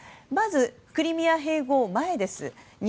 まずクリミア併合前です。